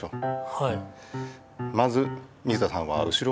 はい。